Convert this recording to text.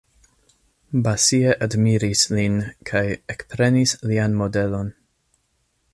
Basie admiris lin kaj ekprenis lian modelon.